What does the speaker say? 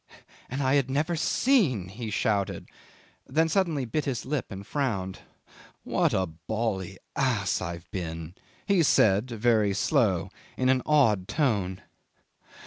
"And I had never seen," he shouted; then suddenly bit his lip and frowned. "What a bally ass I've been," he said very slow in an awed tone.